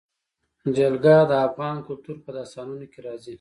جلګه د افغان کلتور په داستانونو کې راځي.